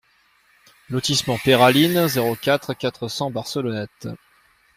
Lotissement Peyralines, zéro quatre, quatre cents Barcelonnette